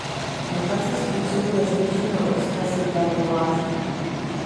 Mutace způsobuje zvýšenou expresi této látky.